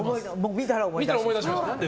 見たら思い出しました。